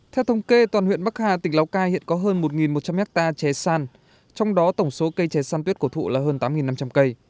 theo thống kê toàn huyện bắc hà tỉnh lào cai hiện có hơn một một trăm linh hectare chè san trong đó tổng số cây trẻ san tuyết cổ thụ là hơn tám năm trăm linh cây